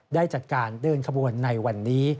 ได้จัดการเดินขบวนในวันนี้